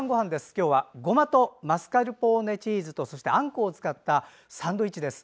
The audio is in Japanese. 今日はごまとマスカルポーネチーズとそしてあんこを使ったサンドイッチです。